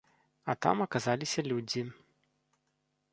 А там аказаліся людзі.